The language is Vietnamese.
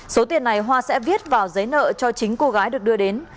số tiền này hoa sẽ viết vào giấy nợ cho chính cô gái được đưa đến